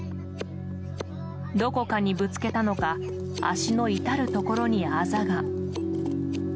どこかにぶつけたのか足の至るところに、あざが。